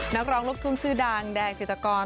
นักรองรพธุมชื่อดังแดงจิตกร